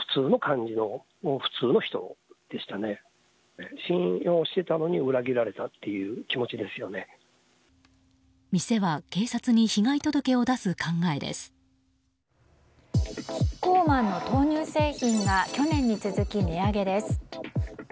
キッコーマンの豆乳製品が去年に続き値上げです。